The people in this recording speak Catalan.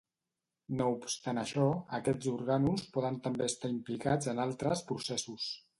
No obstant això, aquests orgànuls poden també estar implicats en altres processos.